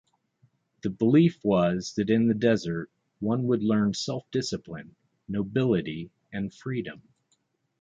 The belief was that in the desert, one would learn self-discipline, nobility, and freedom.